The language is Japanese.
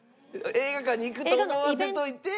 映画館に行くと思わせておいて。